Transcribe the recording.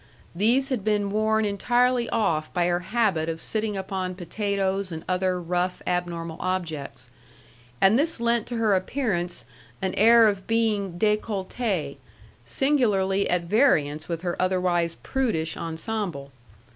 These had been worn entirely off by her habit of sitting upon potatoes and other rough abnormal objects. And this lent to her appearance an air of being decollete, singularly at variance with her otherwise prudish ensemble.